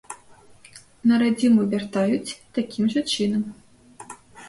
На радзіму вяртаюць такім жа чынам.